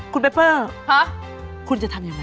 คุณเปปเปอร์คุณจะทำยังไง